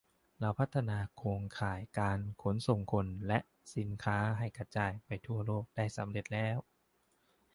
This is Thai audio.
เราพัฒนาโครงข่ายการขนส่งคนและสินค้าให้กระจายไปทั่วโลกได้สำเร็จแล้ว